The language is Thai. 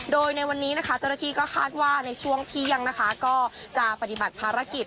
โดยในวันนี้นะคะเจ้าหน้าที่ก็คาดว่าในช่วงเที่ยงนะคะก็จะปฏิบัติภารกิจ